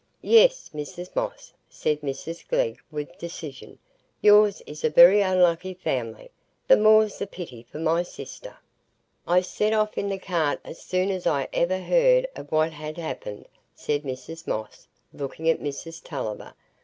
"Yes, Mrs Moss," said Mrs Glegg, with decision, "yours is a very unlucky family; the more's the pity for my sister." "I set off in the cart as soon as ever I heard o' what had happened," said Mrs Moss, looking at Mrs Tulliver.